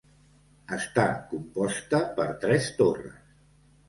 Està composta per tres torres.